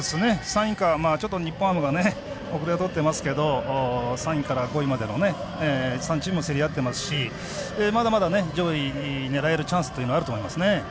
ちょっと日本ハムがおくれをとってますけど３位から５位までの３チーム競り合ってますしまだまだ上位狙えるチャンスはあると思いますね。